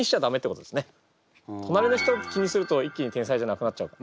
となりの人気にすると一気に天才じゃなくなっちゃうから。